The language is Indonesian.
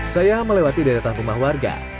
saya melewati daerah tanggung rumah warga